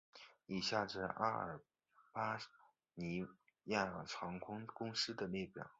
以下是阿尔巴尼亚航空公司的列表